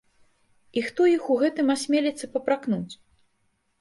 І хто іх у гэтым асмеліцца папракнуць?